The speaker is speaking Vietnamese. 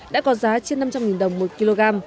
đã có giá trên năm trăm linh đồng một kg